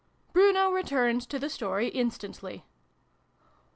Bruno returned to the story instantly.